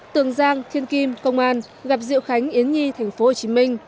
tường giang thiên kim công an gặp diệu khánh yến nhi tp hcm